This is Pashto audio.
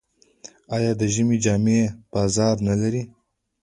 آیا د ژمي جامې بازار نلري؟